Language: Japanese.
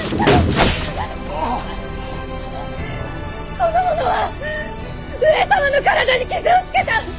この者は上様の体に傷をつけた！